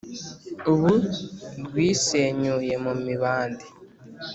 Ubu rwisenyuye mu mibande,